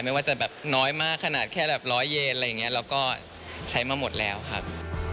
ไม่ว่าจะแบบน้อยมากขนาดแค่แบบร้อยเยนอะไรอย่างนี้เราก็ใช้มาหมดแล้วครับ